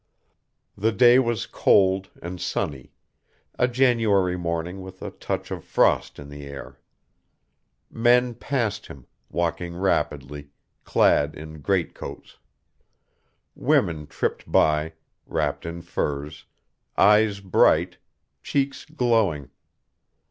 The day was cold and sunny, a January morning with a touch of frost in the air. Men passed him, walking rapidly, clad in greatcoats. Women tripped by, wrapped in furs, eyes bright, cheeks glowing.